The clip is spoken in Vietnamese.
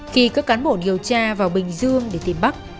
khi các cán bộ điều tra vào bình dương để tìm bắt